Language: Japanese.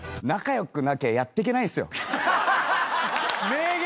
名言！